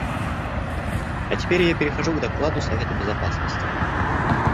А теперь я перехожу к докладу Совета Безопасности.